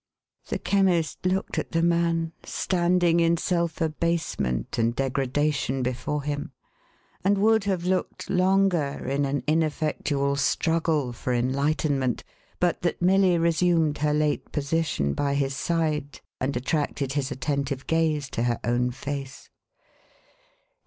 The Chemist looked at the man, standing in self abasement and degradation before him, and would have looked longer, in an ineffectual struggle for enlightenment, but that Milly resumed her late position by his side, and attracted his attentive gaze to her own face.